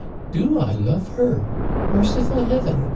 * "*Do I love her? Merciful Heaven!'